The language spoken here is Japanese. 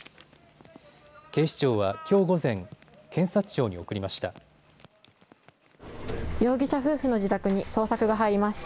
警視庁はきょう午前検察庁に送りました。